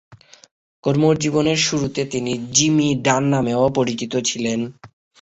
কর্মজীবনের শুরুতে তিনি জিমি ডান নামেও পরিচিত ছিলেন।